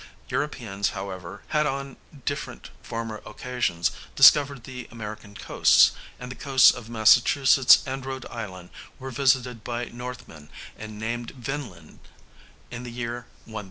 Europeans, however, had on different former occasions discovered the American coasts, and the coasts of Massachusetts and Rhode Island were visited by Northmen and named Vinland in the year 1000.